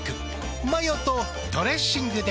マヨとドレッシングで。